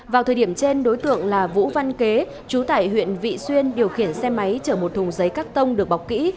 vào thời điểm trên đối tượng là vũ văn kế chú tải huyện vị xuyên điều khiển xe máy chở một thùng giấy cắt tông được bọc kỹ